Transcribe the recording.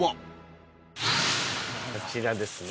こちらですね。